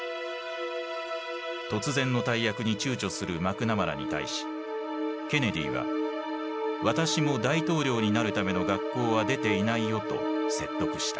突然の大役に躊躇するマクナマラに対しケネディは「私も大統領になるための学校は出ていないよ」と説得した。